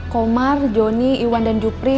komar joni iwan dan jupri